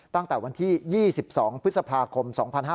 ตั้งแต่วันที่๒๒พฤษภาคม๒๕๕๙